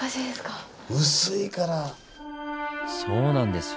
そうなんです